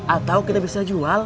atau kita bisa jual